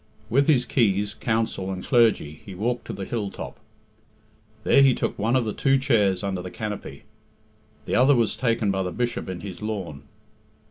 With his Keys, Council, and clergy, he walked to the hill top. There he took one of the two chairs under the canopy; the other, was taken by the Bishop in his lawn.